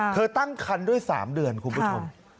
เธอตั้งครรภ์ด้วย๓เดือนคุณผู้ชม